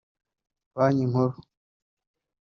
Banki Nkuru